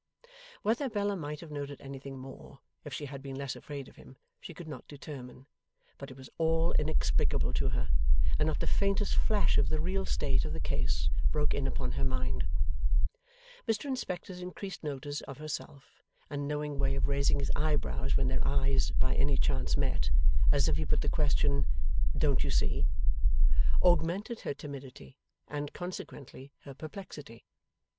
Whether Bella might have noted anything more, if she had been less afraid of him, she could not determine; but it was all inexplicable to her, and not the faintest flash of the real state of the case broke in upon her mind. Mr Inspector's increased notice of herself and knowing way of raising his eyebrows when their eyes by any chance met, as if he put the question 'Don't you see?' augmented her timidity, and, consequently, her perplexity.